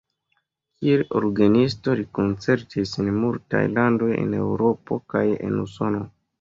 Kiel orgenisto li koncertis en multaj landoj en Eŭropo kaj en Usono.